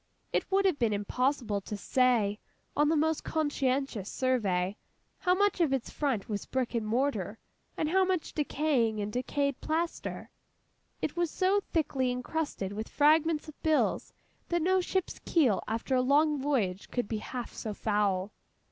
It would have been impossible to say, on the most conscientious survey, how much of its front was brick and mortar, and how much decaying and decayed plaster. It was so thickly encrusted with fragments of bills, that no ship's keel after a long voyage could be half so foul.